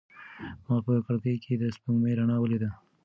ما په کړکۍ کې د سپوږمۍ رڼا ولیده.